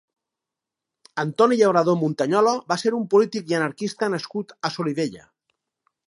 Antoni Llauradó Muntanyola va ser un polític i anarquista nascut a Solivella.